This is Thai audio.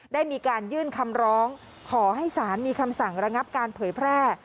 ได้มีการยื่นคำร้องขอให้ศาลมีคำสั่งระงับการเผยแพร่